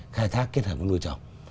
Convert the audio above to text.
khai thác kết hợp với nuôi trồng